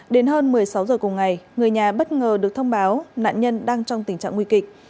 đến hơn một mươi sáu h cùng ngày người nhà bất ngờ được thông báo nạn nhân đang trong tình trạng nguy kịch